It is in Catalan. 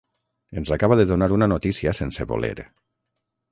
Ens acaba de donar una notícia sense voler.